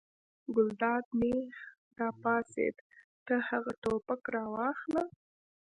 ګلداد نېغ را پاڅېد: ته هغه ټوپک راواخله.